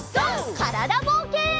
からだぼうけん。